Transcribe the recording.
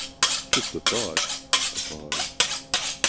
"Jest a thought." A pause.